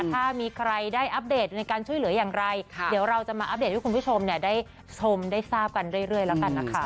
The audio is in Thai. ถ้ามีใครได้อัปเดตในการช่วยเหลืออย่างไรเดี๋ยวเราจะมาอัปเดตให้คุณผู้ชมได้ชมได้ทราบกันเรื่อยแล้วกันนะคะ